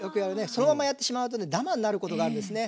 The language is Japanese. そのままやってしまうとねダマになることがあるんですね。